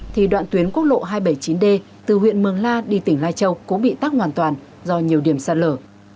thì đoạn tuyến quốc lộ hai trăm bảy mươi chín d từ huyện mường la đi tỉnh lai châu cũng bị tắc hoàn toàn do nhiều điểm sạt lở